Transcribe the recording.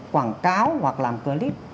quảng cáo hoặc làm clip